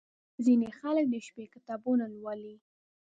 • ځینې خلک د شپې کتابونه لولي.